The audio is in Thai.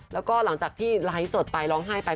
แล้วก็หลังจากที่ไลฟ์สดไปร้องไห้ไป